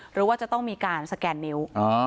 หรือว่าจะต้องมีการสแกนนิ้ว